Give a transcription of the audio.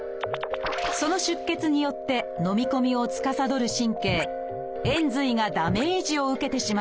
その出血によってのみ込みをつかさどる神経「延髄」がダメージを受けてしまいました。